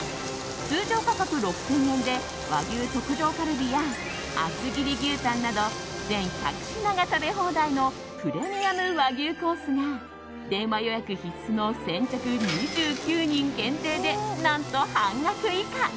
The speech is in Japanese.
通常価格６０００円で和牛特上カルビや厚切り牛タンなど全１００品が食べ放題のプレミアム和牛コースが電話予約必須の先着２９人限定で何と半額以下。